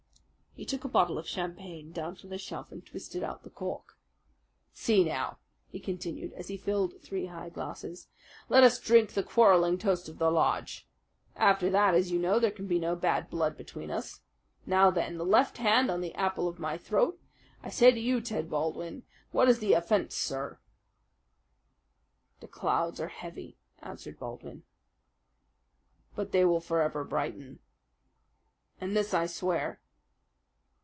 He took a bottle of champagne down from the shelf and twisted out the cork. "See now," he continued, as he filled three high glasses. "Let us drink the quarrelling toast of the lodge. After that, as you know, there can be no bad blood between us. Now, then the left hand on the apple of my throat. I say to you, Ted Baldwin, what is the offense, sir?" "The clouds are heavy," answered Baldwin "But they will forever brighten." "And this I swear!"